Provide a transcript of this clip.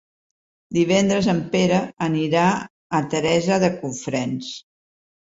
Divendres en Pere anirà a Teresa de Cofrents.